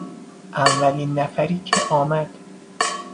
اولین نفری که آمد